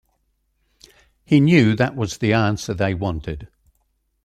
He knew that was the answer they wanted.